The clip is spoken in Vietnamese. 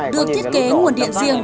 được thiết kế nguồn điện riêng